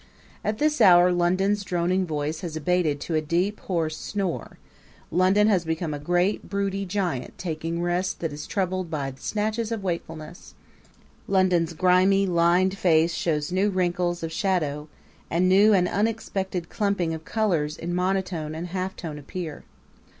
At this hour London's droning voice has abated to a deep, hoarse snore; London has become a great, broody giant taking rest that is troubled by snatches of wakefulness; London's grimy, lined face shows new wrinkles of shadow; and new and unexpected clumping of colors in monotone and halftone appear.